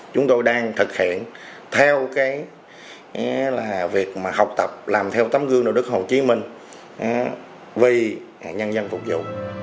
chúng tôi đang thực hiện theo cái là việc mà học tập làm theo tấm gương đạo đức hồ chí minh vì nhân dân phục vụ